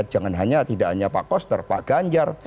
jangan hanya pak koster pak ganjar